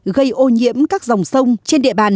gây ô nhiễm các dòng sông trên địa bàn